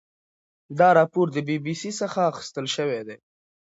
دا راپور د بي بي سي څخه اخیستل شوی دی.